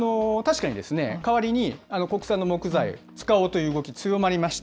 確かに、代わりに国産の木材を使おうという動き、強まりました。